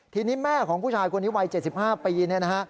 ทีนี้แม่ของผู้ชายคนนี้วัย๗๕ปีเนี่ยนะฮะ